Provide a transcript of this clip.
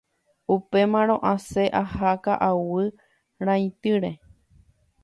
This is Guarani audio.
Upémarõ asẽ aha ka'aguy ra'ytýre.